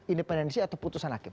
independensi atau putusan hakim